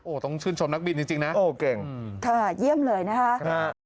ต้องชื่นชมนักบินจริงนะโอ้เก่งค่ะเยี่ยมเลยนะคะ